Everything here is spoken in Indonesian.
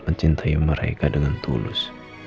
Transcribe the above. mencintai mereka dengan tulus